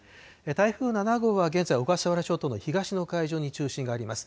台風７号は現在、小笠原諸島の東の海上に中心があります。